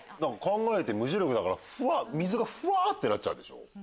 考えて無重力だから水がふわってなっちゃうでしょ。